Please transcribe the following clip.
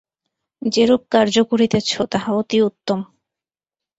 যেরূপ কার্য করিতেছ, তাহা অতি উত্তম।